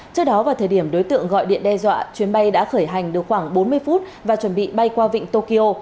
trước đó vào thời điểm đối tượng gọi điện đe dọa chuyến bay đã khởi hành được khoảng bốn mươi phút và chuẩn bị bay qua vịnh tokyo